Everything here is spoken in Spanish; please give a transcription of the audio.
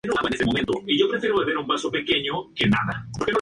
Las condiciones alcanzadas en ese momento, determinan el punto de ignición.